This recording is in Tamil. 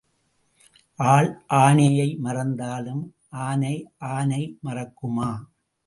ஆள் ஆனையை மறந்தாலும் ஆனை ஆனை மறக்குமா?